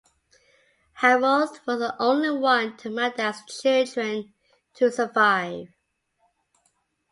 Harald was the only one of Magda's children to survive.